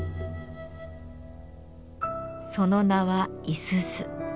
その名は五十鈴。